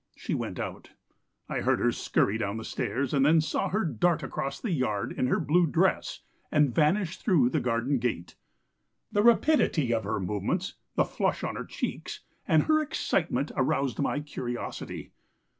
"She went out. I heard her scurry down the stairs, and then I saw her dart across the yard in her blue dress and vanish through the garden gate. The rapidity of her movements, the flush on her cheeks and her excitement, aroused my curiosity.